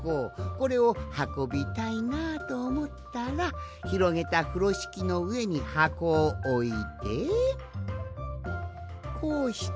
これをはこびたいなあとおもったらひろげたふろしきのうえにはこをおいてこうして。